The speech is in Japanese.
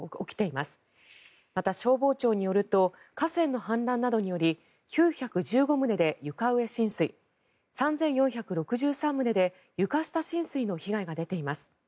また、消防庁によると河川の氾濫などにより９１５棟で床上浸水３４６３棟で床下浸水の被害が出ています。